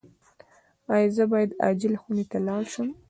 ایا زه باید عاجل خونې ته لاړ شم؟